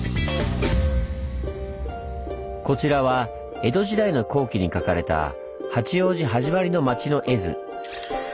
こちらは江戸時代の後期に描かれた八王子はじまりの町の絵図。